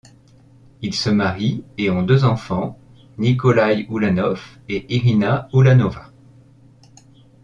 Ils se marient et ont deux enfants, Nikolai Ulanov et Irina Ulanova.